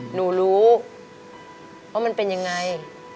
หนูรู้ว่ามันเป็นยังไง